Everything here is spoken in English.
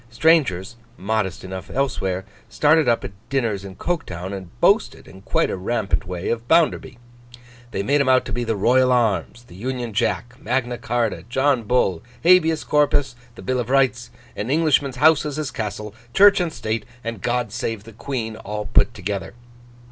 Strangers, modest enough elsewhere, started up at dinners in Coketown, and boasted, in quite a rampant way, of Bounderby. They made him out to be the Royal arms, the Union Jack, Magna Charta, John Bull, Habeas Corpus, the Bill of Rights, An Englishman's house is his castle, Church and State, and God save the Queen, all put together.